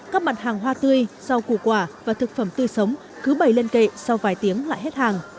các mặt hàng hoa tươi rau củ quả và thực phẩm tươi sống cứ bày lên kệ sau vài tiếng lại hết hàng